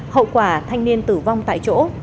hậu quả thanh niên tử vong tại chỗ